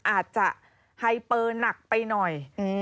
อาจจะไฮเปอร์หนักไปหน่อย